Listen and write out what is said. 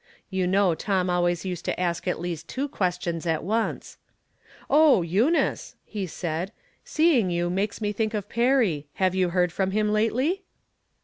You know Tom always used to ask at least two questions at once. " Oh, Eunice !" he said, " seeing you makes me think ,of Perry. Have you heard from him lately